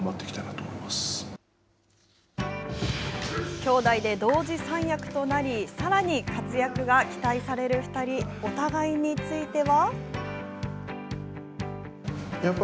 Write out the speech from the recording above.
兄弟で同時三役となり、さらに活躍が期待される２人、お互いについては。